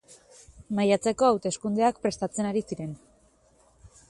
Maiatzeko hauteskundeak prestatzen ari ziren.